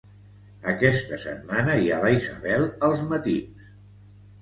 Aquesta setmana hi ha la Isabel als matins.